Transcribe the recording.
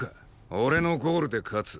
俺のゴールで勝つ。